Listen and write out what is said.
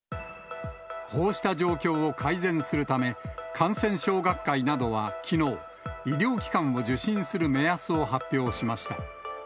こうした状況を改善するため、感染症学会などはきのう、医療機関を受診する目安を発表しました。